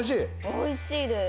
おいしいです。